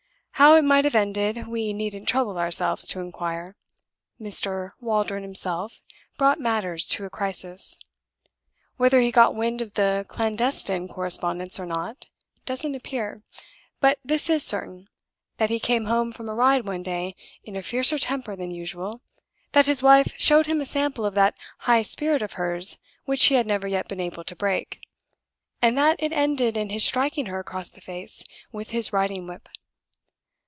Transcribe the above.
How it might have ended we needn't trouble ourselves to inquire Mr. Waldron himself brought matters to a crisis. Whether he got wind of the clandestine correspondence or not, doesn't appear. But this is certain, that he came home from a ride one day in a fiercer temper than usual; that his wife showed him a sample of that high spirit of hers which he had never yet been able to break; and that it ended in his striking her across the face with his riding whip.